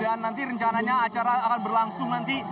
dan nanti rencananya acara akan berlangsung nanti